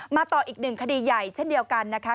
ต่ออีกหนึ่งคดีใหญ่เช่นเดียวกันนะคะ